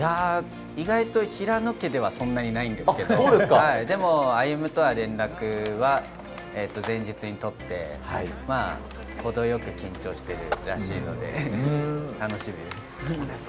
平野家ではそんなにないんですけれど、歩夢とは前日に連絡を取って、ほどよく緊張しているらしいので楽しみです。